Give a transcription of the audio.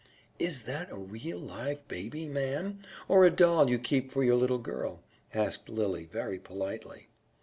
"Is that a real, live baby, ma'am, or a doll you keep for your little girl?" asked Lily very politely.